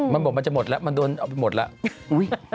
มันบอกมันจะหมดแล้วมันโดนเอาไปหมดแล้ว